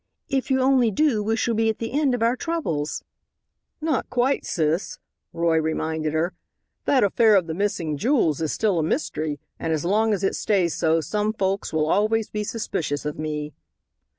If you only do we shall be at the end of our troubles." "Not quite, sis," Roy reminded her, "that affair of the missing jewels is still a mystery, and as long as it stays so some folks will always be suspicious of me."